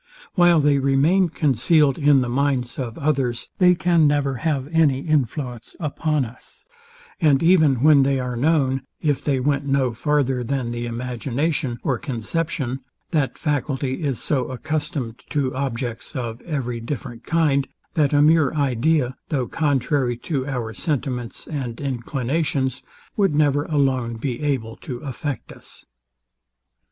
While they remain concealed in the minds of others, they can never have an influence upon us: And even when they are known, if they went no farther than the imagination, or conception; that faculty is so accustomed to objects of every different kind, that a mere idea, though contrary to our sentiments and inclinations, would never alone be able to affect us.